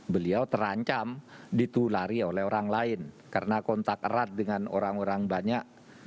beliau terancam ditulari oleh orang lain karena kontak erat dengan orang orang banyak